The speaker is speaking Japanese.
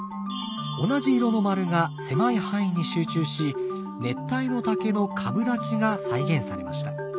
同じ色の丸が狭い範囲に集中し熱帯の竹の株立ちが再現されました。